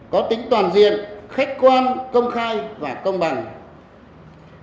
có tính toàn diện khách quan công khai và công bằng